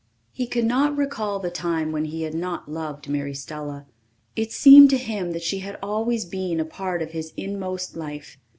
He could not recall the time when he had not loved Mary Stella. It seemed to him that she had always been a part of his inmost life.